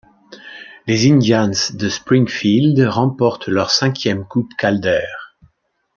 Les Indians de Springfield remportent leur cinquième coupe Calder.